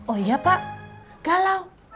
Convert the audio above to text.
oh iya pak galau